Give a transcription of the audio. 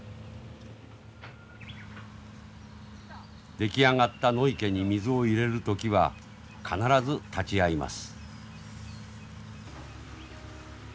出来上がった野池に水を入れる時は必ず立ち会います。